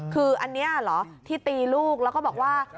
คืออันนี้เหรอที่ตีลูกแล้วก็บอกว่า